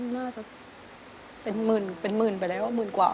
น่าจะเป็นหมื่นเป็นหมื่นไปแล้วหมื่นกว่า